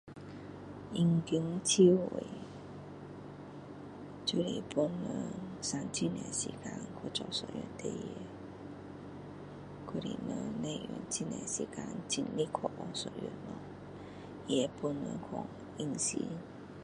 应今期位就是帮人省很多时间去做一件事情还是人不用很多时间尽力去学一件东西他会帮人去应酬